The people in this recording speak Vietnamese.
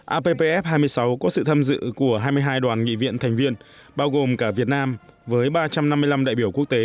appf hai mươi sáu có sự tham dự của hai mươi hai đoàn nghị viện thành viên bao gồm cả việt nam với ba trăm năm mươi năm đại biểu quốc tế